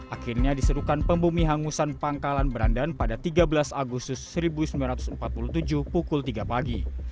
akhirnya diserukan pembumi hangusan pangkalan berandan pada tiga belas agustus seribu sembilan ratus empat puluh tujuh pukul tiga pagi